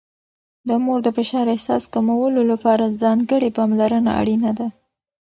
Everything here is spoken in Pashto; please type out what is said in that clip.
د مور د فشار احساس کمولو لپاره ځانګړې پاملرنه اړینه ده.